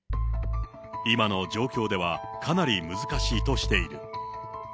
今の状況ではかなり難しいとしている。